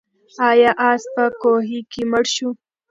آیا آس په کوهي کې مړ شو؟